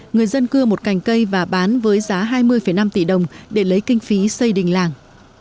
người dân cưa một cành cây và bán với giá hai mươi năm tỷ đồng để lấy kinh phí xây đình làng